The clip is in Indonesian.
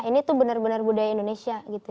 ini tuh bener bener budaya indonesia gitu